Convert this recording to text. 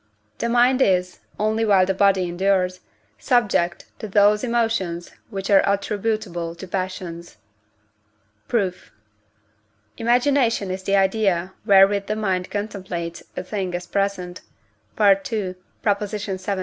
The mind is, only while the body endures, subject to those emotions which are attributable to passions. Proof. Imagination is the idea wherewith the mind contemplates a thing as present (II. xvii.